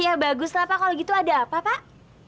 ya baguslah pak kalau gitu ada apa pak